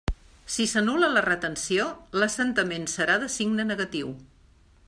Si s'anul·la la retenció, l'assentament serà de signe negatiu.